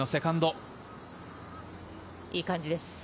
いい感じです。